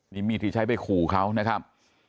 นี่มีดที่ใช้ไปขู่เขานะครับ